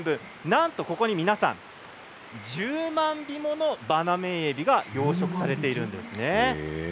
なんとここに、皆さん１０万尾ものバナメイエビが養殖されているんです。